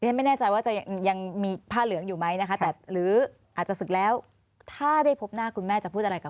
อย่างไม่แน่ใจว่ายัง